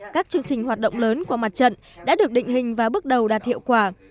các chương trình hoạt động lớn của mặt trận đã được định hình và bước đầu đạt hiệu quả